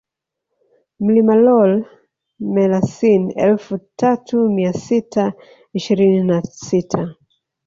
Mlima Lool Malasin elfu tatu mia sita ishirini na sita